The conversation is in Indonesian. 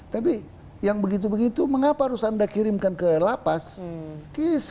tapi yang begitu begitu mengapa harus anda kirimkan ke lapas